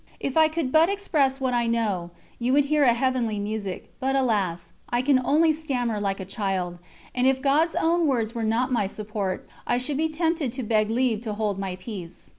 If I could but express what I know, you would hear a heavenly music; but alas! I can only stammer like a child, and if God's own words were not my support, I should be tempted to beg leave to hold my peace.